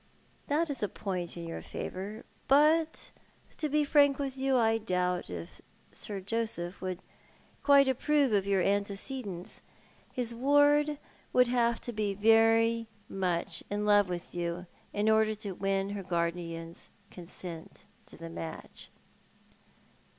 " That is a point in your favour. But to be frank with you, I doubt if Sir Josei^h would quite approve of your antecedents. His ward would have to be very much in love with you in otikx to win her guardian's consent to the match."